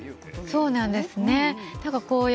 そうなんですよ。